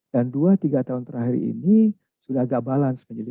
dan dua tiga tahun terakhir ini sudah agak balans menjadi lima puluh lima puluh